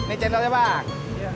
ini cendolnya pak